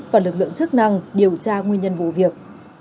và lực lượng chức năng điều tra nguyên nhân vụ việc